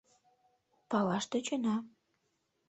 — Палаш тӧчена...